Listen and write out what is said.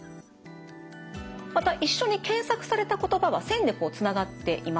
また一緒に検索された言葉は線でつながっています。